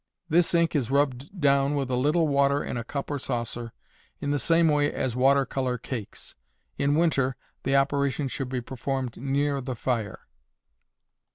This ink is rubbed down with a little water in a cup or saucer, in the same way as water color cakes. In winter, the operation should be performed near the fire.